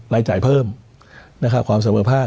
ลายจ่ายเพิ่มขวามสเมอภาค